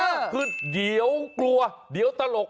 ขึ้นเดี๋ยวกลัวเดี๋ยวตลก